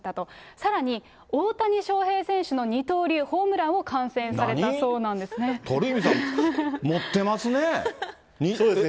さらに、大谷翔平選手の二刀流、ホームランを観戦されたそうなんですね。